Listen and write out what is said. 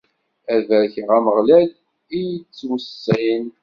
Ad barkeɣ Ameɣlal i y-ittweṣṣin.